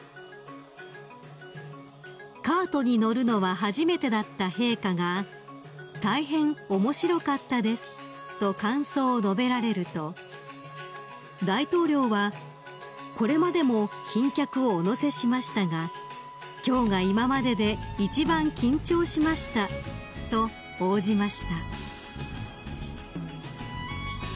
［カートに乗るのは初めてだった陛下が「大変面白かったです」と感想を述べられると大統領は「これまでも賓客をお乗せしましたが今日が今までで一番緊張しました」と応じました］